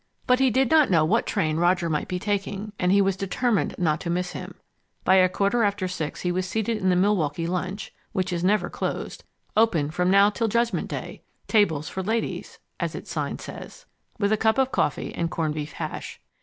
But he did not know what train Roger might be taking, and he was determined not to miss him. By a quarter after six he was seated in the Milwaukee Lunch (which is never closed Open from Now Till the Judgment Day. Tables for Ladies, as its sign says) with a cup of coffee and corned beef hash.